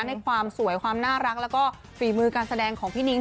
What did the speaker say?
ในความสวยความน่ารักแล้วก็ฝีมือการแสดงของพี่นิ้ง